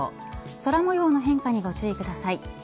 空模様の変化にご注意ください。